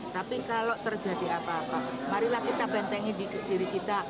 tapi kalau terjadi apa apa marilah kita bentengi diri kita